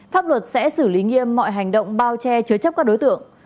pháp luật sẽ xử lý nghiêm mọi hành động bao che chứa chấp các đối tượng